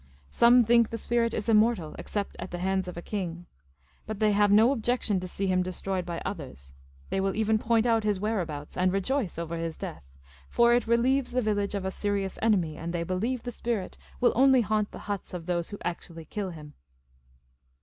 Some think the spirit is immortal, except at the hands of a king. But they have no objection to see him destroyed by others. They will even point out his whereabouts, and rejoice over his death ; for it relieves the village of a serious enemy, and they believe the spirit will only haunt the huts of those who actually kill him."